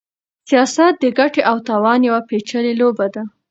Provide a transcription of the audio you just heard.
سياست د ګټې او تاوان يوه پېچلې لوبه ده.